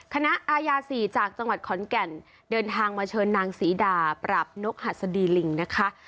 คณะอายา๔จากจังหวัดขอนแก่นเดินทางมาเชิญนางศรีดาปราบนกหัสดีลิงนะคะ